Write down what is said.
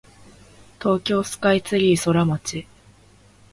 東京スカイツリーソラマチ